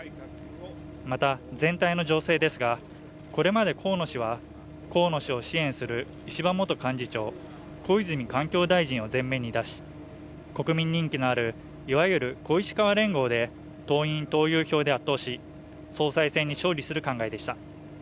また全体の情勢ですがこれまで河野氏は河野氏を支援する石破元幹事長小泉環境大臣を前面に出し国民人気のあるいわゆる小石河連合で党員投票で後押し総裁選に勝利する考えでした